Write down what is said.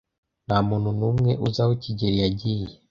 Ntamuntu numwe uzi aho kigeli yagiye.